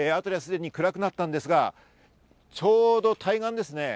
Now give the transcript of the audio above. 辺りはすでに暗くなったんですが、ちょうど対岸ですね。